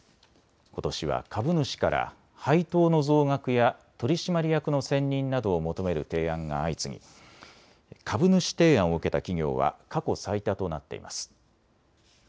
ことしは株主から配当の増額や取締役の選任などを求める提案が相次ぎ、株主提案を受けた企業は過去最多となっています。